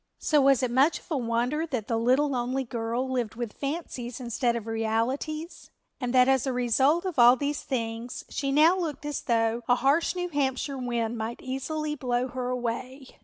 So was it much of a wonder that the little lonely girl lived with fancies instead of realities and that as a result of all these things she now looked as though a harsh New Hampshire wind might easily blow her away?